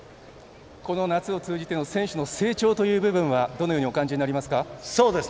この夏を通じての選手の成長という部分はどのようにお感じになりますか？